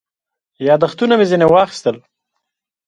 یاداښتونه مې ځنې واخیستل.